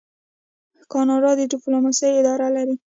کاناډا د ډیپلوماسۍ اداره لري.